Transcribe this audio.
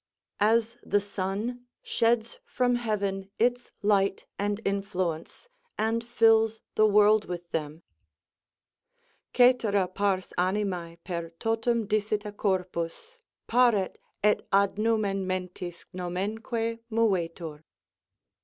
As the sun sheds from heaven its light and influence, and fills the world with them: Cætera pars animas, per totum dissita corpus, Paret, et ad numen mentis momenque movetur.